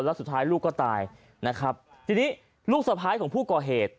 แล้วสุดท้ายลูกก็ตายนะครับทีนี้ลูกสะพ้ายของผู้ก่อเหตุ